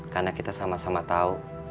karena kita sama sama tau